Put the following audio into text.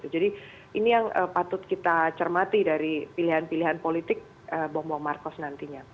jadi ini yang patut kita cermati dari pilihan pilihan politik bomong markos nantinya